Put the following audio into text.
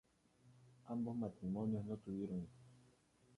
Ambos matrimonios no tuvieron hijos.